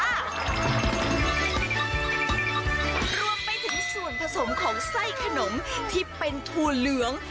รวมไปถึงส่วนผสมของไส้ขนมที่เป็นถั่วเหลือง